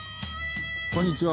こんにちは。